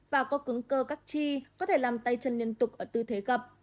thời kỳ có thể làm tay chân liên tục ở tư thế gập